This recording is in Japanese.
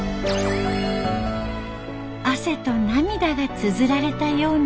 汗と涙がつづられたようなノート。